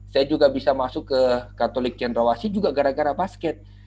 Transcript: saya juga bisa masuk ke katolik cendrawasi juga gara gara basket